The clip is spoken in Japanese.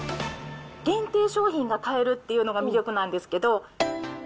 限定商品が買えるっていうのが魅力なんですけど。